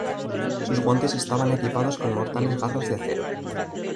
Sus guantes estaban equipados con mortales garras de acero.